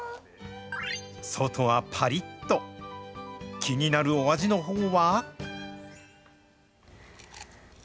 外はぱりっと、気になるお味のほうは？